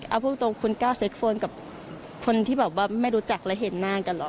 เอาพูดตรงคุณก้าวเซ็กโฟนกับคนที่แบบว่าไม่รู้จักและเห็นหน้ากันเหรอ